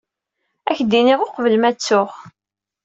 Ad ak-d-iniɣ uqbel ma ttuɣ.